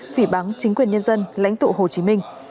phỉ bắn chính quyền nhân dân lãnh tụ hồ chí minh